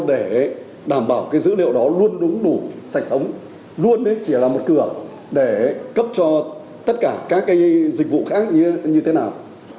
để đảm bảo dữ liệu đó luôn đúng đủ sạch sống luôn chỉ là một cửa để cấp cho tất cả các dịch vụ khác như thế nào